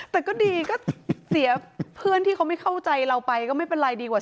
แต่ก็ดีก็เสียเพื่อนที่เขาไม่เข้าใจเราไปก็ไม่เป็นไรดีกว่า